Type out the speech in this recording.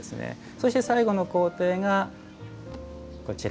そして、最後の工程が、こちら。